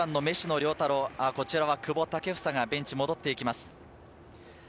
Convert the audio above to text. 亮太郎、こちら久保建英がベンチに戻っていきます。